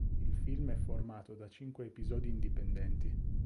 Il film è formato da cinque episodi indipendenti.